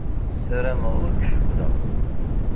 Ssarameɣ ur k-cewwleɣ.